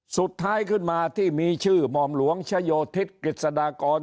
สุดท้ายขึ้นมาที่มีชื่อหม่อมหลวงชโยธิศกฤษฎากร